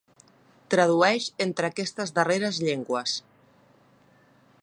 Tradueix entre aquestes darreres llengües?